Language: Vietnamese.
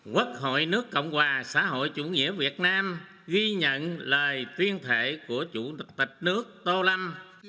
quốc hội nước cộng hòa xã hội chủ nghĩa việt nam ghi nhận lời tuyên thệ của chủ tịch nước tô lâm